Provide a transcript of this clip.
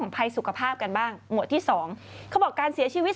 ภัยสุขภาพกันบ้างหมวดที่สองเขาบอกการเสียชีวิต